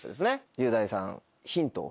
雄大さんヒントを。